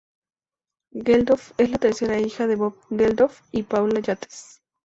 Geldof es la tercera hija de Bob Geldof y Paula Yates.